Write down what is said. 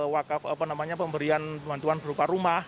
wakaf pemberian bantuan berupa rumah